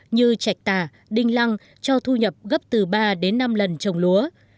như chạch tà đinh lăng cho thu nhập gấp từ ba đến năm lần trồng lúa